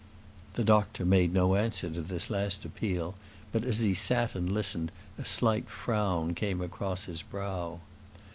The doctor made no answer to this last appeal, but as he sat and listened a slight frown came across his brow.